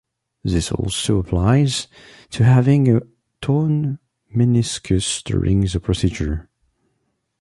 This also applies to having a torn meniscus during the procedure.